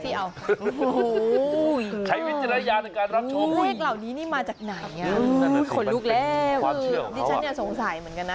ความเชื่อของเขาที่ฉันสงสัยเหมือนกันนะ